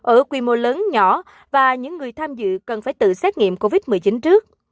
ở quy mô lớn nhỏ và những người tham dự cần phải tự xét nghiệm covid một mươi chín trước